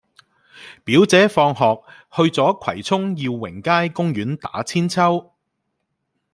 表姐放學去左葵涌耀榮街公園打韆鞦